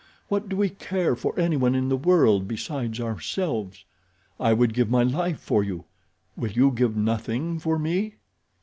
What do we care for anyone in the world besides ourselves? I would give my life for you—will you give nothing for me?"